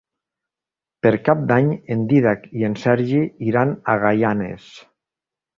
Per Cap d'Any en Dídac i en Sergi iran a Gaianes.